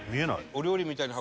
お料理みたいな箱。